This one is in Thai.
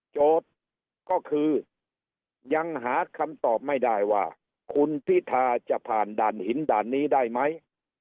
โจทย์ก็คือยังหาคำตอบไม่ได้ว่าคุณพิธาจะผ่านด่านหินด่านนี้ได้ไหม